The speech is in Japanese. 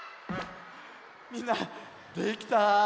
みんなできた？